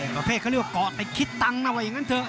ประเภทเขาเรียกว่าเกาะติดคิดตังค์นะว่าอย่างนั้นเถอ